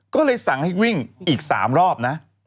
ก็เลยสั่งให้วิ่งอีก๓รอบนะ